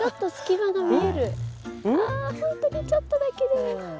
あ本当にちょっとだけでも。